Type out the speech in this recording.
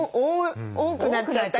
多くなっちゃったり。